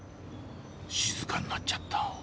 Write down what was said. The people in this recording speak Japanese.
静かになっちゃった